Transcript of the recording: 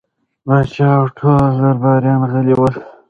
پاچا او ټول درباريان غلي ول.